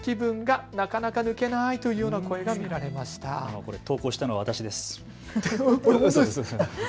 これ、投稿したのは私です。